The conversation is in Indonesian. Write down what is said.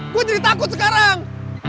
gua jadi takut sekarang